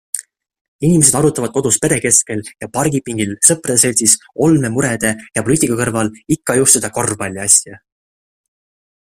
Inimesed arutavad kodus pere keskel ja pargipingil sõprade seltsis olemurede ja poliitika kõrval ikka just seda korvpalliasja.